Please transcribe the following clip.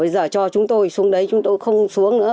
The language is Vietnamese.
giờ cho chúng tôi xuống đấy chúng tôi không xuống nữa